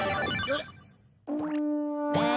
えっ？